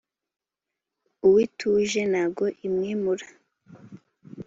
uwituje ntago imwimura.